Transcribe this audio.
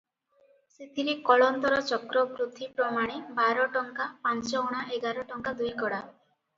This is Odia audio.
ସେଥିରେ କଳନ୍ତର ଚକ୍ରବୃଦ୍ଧି ପ୍ରମାଣେ ବାରଟଙ୍କା ପାଞ୍ଚଅଣା ଏଗାର ଟଙ୍କା ଦୁଇକଡ଼ା